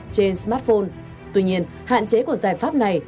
trên smartphone tuy nhiên hạn chế của giải pháp này